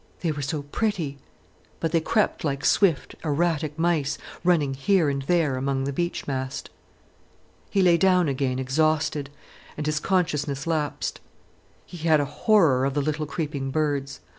They were so pretty—but they crept like swift, erratic mice, running here and there among the beech mast. He lay down again exhausted, and his consciousness lapsed. He had a horror of the little creeping birds.